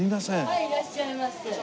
はいいらっしゃいませ。